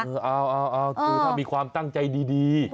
เอาโอ้มิทหารมีความตั้งใจดี